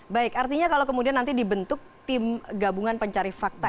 baik artinya kalau kemudian nanti dibentuk tim gabungan pencari fakta